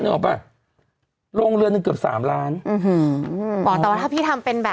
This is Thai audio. โรงเรือนก็คือเกือบไซน์หลานอื้อฮือมึงอ๋อแต่ว่าถ้าพี่ทำเป็นแบบ